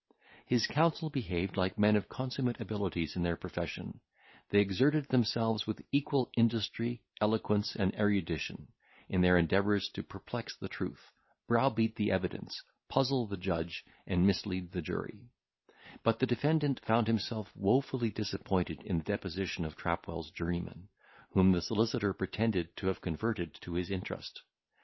His counsel behaved like men of consummate abilities in their profession; they exerted themselves with equal industry, eloquence, and erudition, in their endeavours to perplex the truth, browbeat the evidence, puzzle the judge, and mislead the jury; but the defendant found himself wofully disappointed in the deposition of Trapwell's journeyman, whom the solicitor pretended to have converted to his interest.